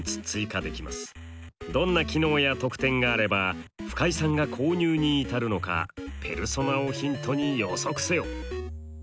どんな機能や特典があれば深井さんが購入に至るのかペルソナをヒントに予測せよ。